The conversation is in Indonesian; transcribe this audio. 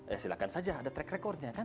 ya silahkan saja ada track recordnya kan